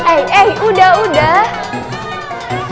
eh eh udah udah